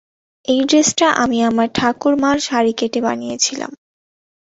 এই ড্রেসটা আমি আমার ঠাকুর মার শাড়ি কেটে বানিয়েছিলাম।